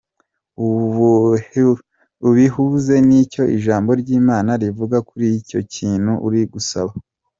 Ubihuze n'icyo ijambo ry'Imana rivuga kuri icyo kintu uri gusaba.